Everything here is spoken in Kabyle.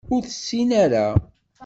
Ur tessin ara.